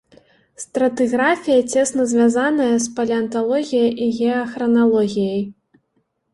Стратыграфія цесна звязаная з палеанталогіяй і геахраналогіяй.